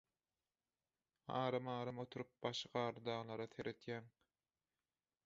Aram-aram oturup başy garly daglara seredýäň.